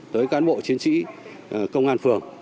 tới cán bộ chiến sĩ công an phường